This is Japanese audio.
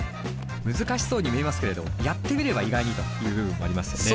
難しそうに見えますけれどやってみれば意外にという部分もありますよね。